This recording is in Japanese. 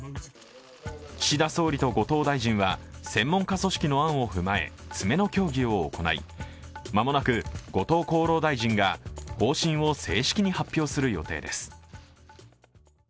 岸田総理と後藤大臣は専門家組織の案を踏まえ、詰めの協議を行い、間もなく後藤厚労大臣が方針を正式に発表する予定です。